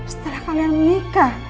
setelah kalian menikah